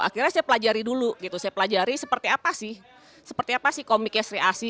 akhirnya saya pelajari dulu gitu saya pelajari seperti apa sih seperti apa sih komiknya sri asi